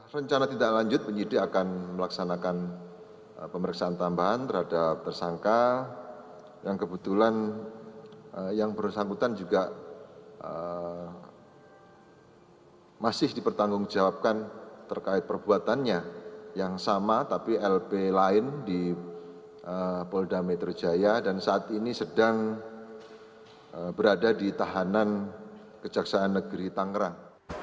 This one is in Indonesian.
selanjutnya penyidik akan melaksanakan pemeriksaan tambahan terhadap tersangka yang kebetulan yang bersangkutan juga masih dipertanggungjawabkan terkait perbuatannya yang sama tapi lp lain di polda metro jaya dan saat ini sedang berada di tahanan kejaksaan negeri tangerang